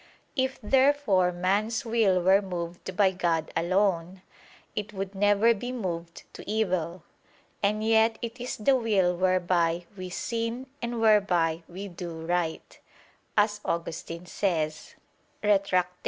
If, therefore man's will were moved by God alone, it would never be moved to evil: and yet it is the will whereby "we sin and whereby we do right," as Augustine says (Retract.